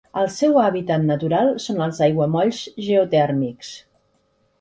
El seu hàbitat natural són els aiguamolls geotèrmics.